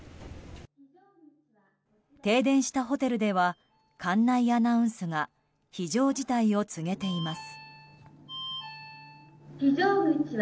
停電したホテルでは館内アナウンスが非常事態を告げています。